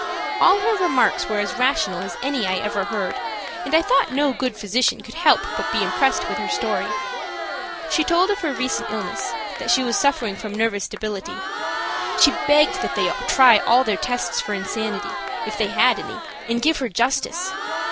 All her remarks were as rational as any I ever heard, and I thought no good physician could help but be impressed with her story. She told of her recent illness, that she was suffering from nervous debility. She begged that they try all their tests for insanity, if they had any, and give her justice.